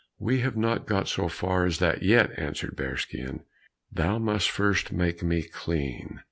"We have not got so far as that yet," answered Bearskin, "thou must first make me clean."